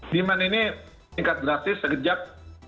demand ini tingkat drastis sekejap